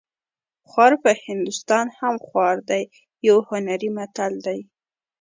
خوار په هندوستان هم خوار دی یو هنري متل دی